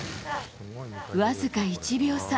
わずか１秒差。